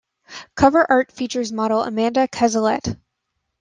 Cover art features model Amanda Cazalet.